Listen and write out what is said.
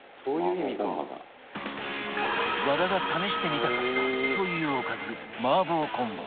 和田が試してみたかったというおかず麻婆コンボ